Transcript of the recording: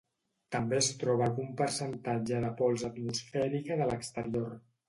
També es troba algun percentatge de pols atmosfèrica de l'exterior.